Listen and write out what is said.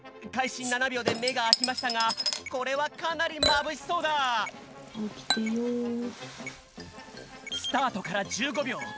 かいし７秒でめがあきましたがこれはかなりまぶしそうだスタートから１５秒。